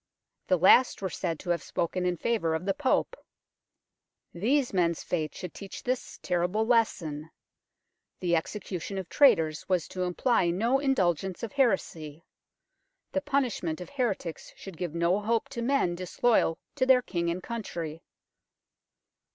The last were said to have spoken in favour of the Pope. These men's fate should teach this terrible lesson : the execution of traitors was to imply no in dulgence of heresy ; the punishment of heretics should give no hope to men disloyal to their King and country.